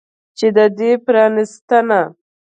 چې د دې پرانستنه